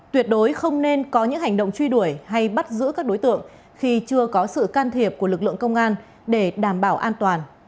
tuyệt đối không nên có những hành động truy đuổi hay bắt giữ các đối tượng khi chưa có sự can thiệp của lực lượng công an để đảm bảo an toàn